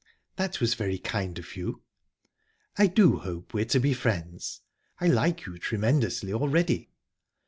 "That was very kind of you." "I do hope we're to be friends. I like you tremendously already."